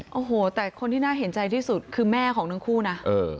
โอ้โหแต่คนที่น่าเห็นใจที่สุดคือแม่ของทั้งคู่นะ